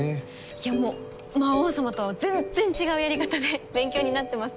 いやもう魔王様とは全然違うやり方で勉強になってます。